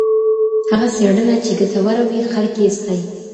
هغه څېړنه چي ګټوره وي خلک یې ستايي.